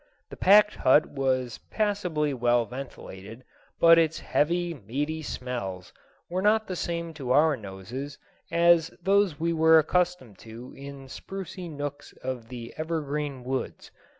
The packed hut was passably well ventilated, but its heavy, meaty smells were not the same to our noses as those we were accustomed to in the sprucy nooks of the evergreen woods.